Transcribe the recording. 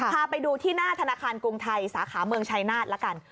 พาไปดูที่หน้าธนาคารกรุงไทยสาขาเมืองชัยนาธละกัน